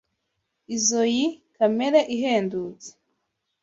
Izoi kamera ihendutse.